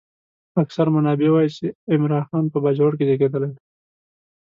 اکثر منابع وايي چې عمرا خان په باجوړ کې زېږېدلی دی.